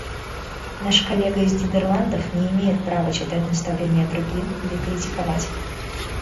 Наш коллега из Нидерландов не имеет права читать наставления другим или критиковать их.